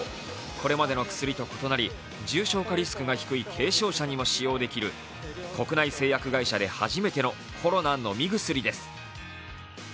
これまでの薬と異なり、重症化リスクが低い軽症者にも使用できる国内製薬会社で初めてのコロナ飲み薬です。